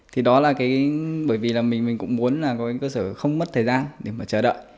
thì đó là bởi vì mình cũng muốn có cơ sở không mất thời gian để mà chờ đợi